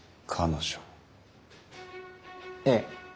ええ。